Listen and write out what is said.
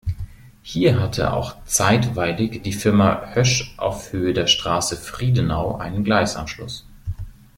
Hier hatte auch zeitweilig die Firma Hoesch auf Höhe der Straße Friedenau einen Gleisanschluss.